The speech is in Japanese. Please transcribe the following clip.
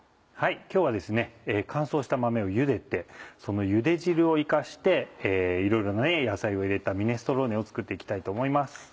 今日は乾燥した豆をゆでてそのゆで汁を生かしていろいろな野菜を入れたミネストローネを作って行きたいと思います。